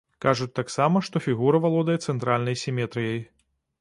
Кажуць таксама, што фігура валодае цэнтральнай сіметрыяй.